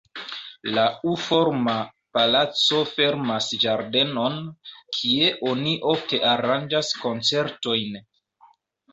La U-forma palaco fermas ĝardenon, kie oni ofte aranĝas koncertojn.